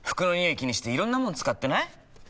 気にしていろんなもの使ってない？